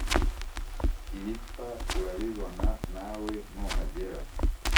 ibipfa urabibona nawe nuhagera